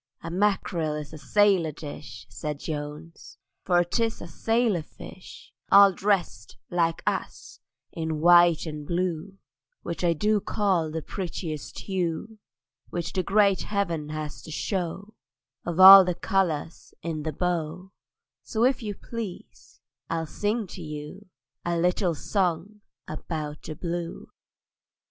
"A mackerel is a sailor dish," Said Jones, "for 'tis a sailor fish, All drest, like us, in white and blue, Which I do call the prettiest hue Which the great heaven has to show Of all the colours in the bow: So, if you please, I'll sing to you A little song about the Blue!"